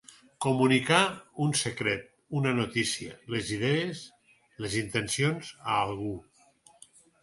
Comunicar un secret, una notícia, les idees, les intencions, a algú.